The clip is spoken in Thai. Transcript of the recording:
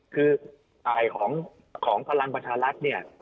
คือของพลังปัชฌรัฐเนี่ย